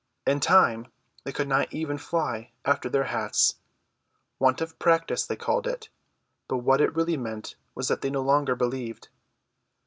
In time they could not even fly after their hats. Want of practice, they called it; but what it really meant was that they no longer believed.